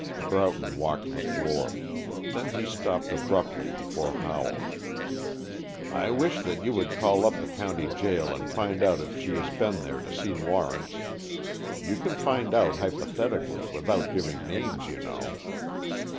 Broughton walked the floor. Then he stopped abruptly before Howell. "I wish that you would call up the county jail and find out if she has been there to see Lawrence. You can find out hypothetically, without giving names, you know."